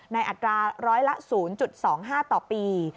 อัตราร้อยละ๐๒๕ต่อปี